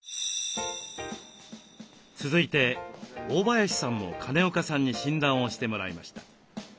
続いて大林さんも金岡さんに診断をしてもらいました。